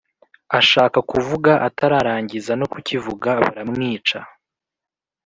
ashaka kuvuga atararangiza no kukivuga baramwica